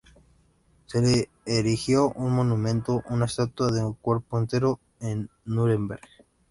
Se le erigió un monumento, una estatua de cuerpo entero, en Núremberg.